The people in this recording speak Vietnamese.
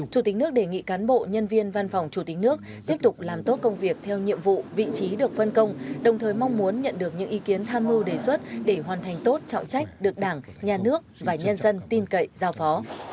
chủ tịch nước đề nghị cán bộ nhân viên văn phòng chủ tịch nước tiếp tục làm tốt công việc theo nhiệm vụ vị trí được phân công đồng thời mong muốn nhận được những ý kiến tham mưu đề xuất để hoàn thành tốt trọng trách được đảng nhà nước và nhân dân tin cậy giao phó